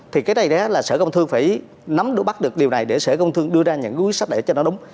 thì sở công thương phải nắm đủ bắt được điều này để sở công thương đưa ra những quyết sắp để cho nó đúng